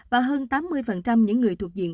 và hơn tám mươi những người thuộc diện